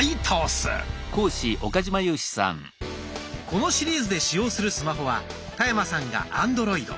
このシリーズで使用するスマホは田山さんがアンドロイド。